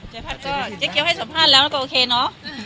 เจ๊เกียวให้สัมภาษณ์แล้วแล้วก็โอเคเนอะ